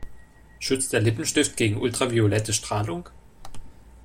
Schützt der Lippenstift gegen ultraviolette Strahlung?